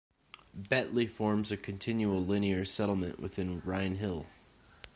Betley forms a continual linear settlement with Wrinehill.